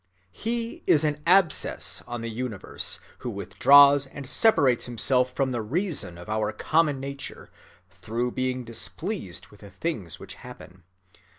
(14) He is an abscess on the universe who withdraws and separates himself from the reason of our common nature, through being displeased with the things which happen.